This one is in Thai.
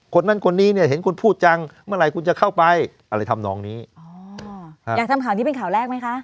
คนนั้นคนนี้เนี่ยเห็นคุณพูดจังเมื่อไหร่คุณจะเข้าไปอะไรทำนองนี้อ๋ออยากทำข่าวนี้เป็นข่าวแรกไหมคะ